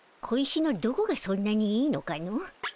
小石のどこがそんなにいいのかの？